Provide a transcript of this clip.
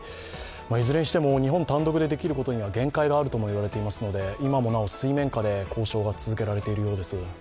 いずれにしても日本単独でできることには限界があるとも言われていますので今もなお水面下で交渉が続けられているようです。